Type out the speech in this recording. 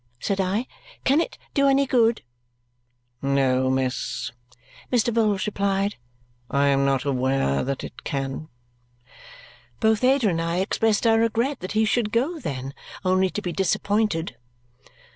said I. "Can it do any good?" "No, miss," Mr. Vholes replied. "I am not aware that it can." Both Ada and I expressed our regret that he should go, then, only to be disappointed.